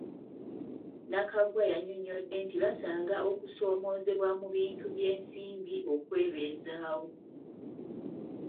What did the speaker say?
Nakaggwa yannyonnyodde nti basanga okusoomoozebwa mu bintu by'ensimbi okwebeezaawo.